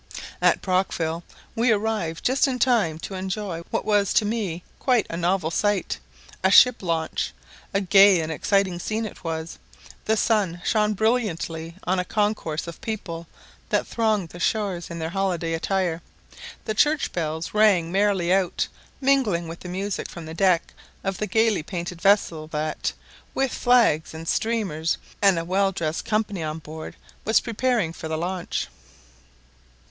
At Brockville we arrived just in time to enjoy what was to me quite a novel sight, a ship launch. A gay and exciting scene it was. The sun shone brilliantly on a concourse of people that thronged the shore in their holiday attire; the church bells rang merrily out, mingling with the music from the deck of the gaily painted vessel that, with flags and streamers, and a well dressed company on board, was preparing for the launch.